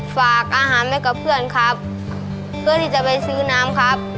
ฝากอาหารไว้กับเพื่อนครับเพื่อที่จะไปซื้อน้ำครับ